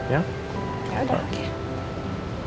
ya udah oke